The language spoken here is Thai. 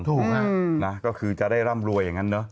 ถูกฮะนะก็คือจะได้ร่ำรวยอย่างนั้นเนอะ